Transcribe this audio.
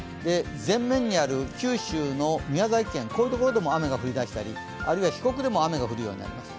全面にある九州の宮崎県宮崎県、こういうところでも雨が降りだしたりあるいは四国でも雨が降りだしたりします。